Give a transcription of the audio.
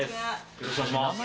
よろしくお願いします